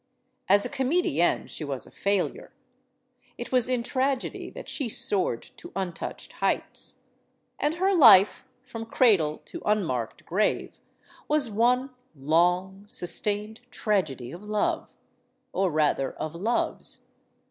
As a comedienne she was a failure. It was in tragedy that she soared to untouched heights. And her life, from cradle to unmarked grave, was one long, sus tained tragedy of love. Or, rather, of loves.